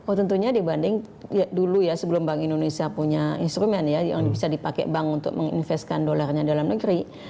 oh tentunya dibanding dulu ya sebelum bank indonesia punya instrumen ya yang bisa dipakai bank untuk menginveskan dolarnya dalam negeri